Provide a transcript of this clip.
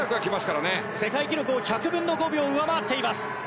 世界記録を１００分の５秒上回っています。